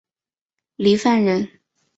郦范人。